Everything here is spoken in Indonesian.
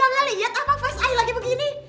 gak ngeliat apa face ayu lagi begini